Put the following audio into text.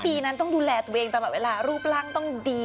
ปีนั้นต้องดูแลตัวเองตลอดเวลารูปร่างต้องดี